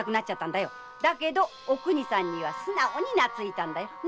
だけどお邦さんには素直になついたんだよ。